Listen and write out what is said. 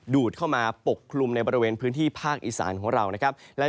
ดูดเข้ามาปกคลุมในบริเวณพื้นที่ภาคอีสานของเรานะครับ